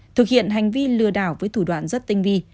thực hiện hành vi lừa đảo với thủ đoạn rất tinh vi